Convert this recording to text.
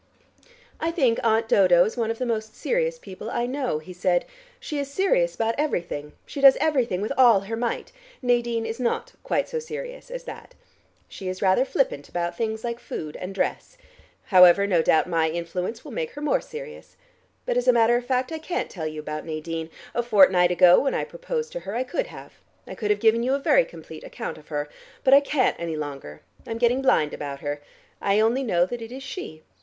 "I think Aunt Dodo is one of the most serious people I know," he said. "She is serious about everything. She does everything with all her might. Nadine is not quite so serious as that. She is rather flippant about things like food and dress. However, no doubt my influence will make her more serious. But as a matter of fact I can't tell you about Nadine. A fortnight ago, when I proposed to her, I could have. I could have given you a very complete account of her. But I can't any longer: I am getting blind about her. I only know that it is she.